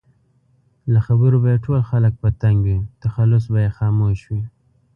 له خبرو به یې ټول خلک په تنګ وي؛ تخلص به یې خاموش وي